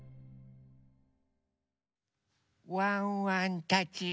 ワンワンたち。